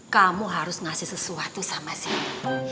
kamu harus ngasih sesuatu sama siapa